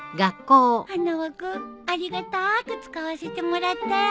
花輪君ありがたく使わせてもらったよ。